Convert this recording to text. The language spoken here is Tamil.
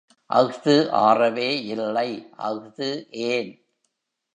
அஃது ஆறவே இல்லை அஃது ஏன்?